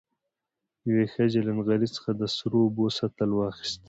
يوې ښځې له نغري څخه د سرو اوبو سطل واخېست.